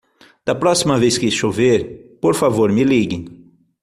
Da próxima vez que chover, por favor me ligue.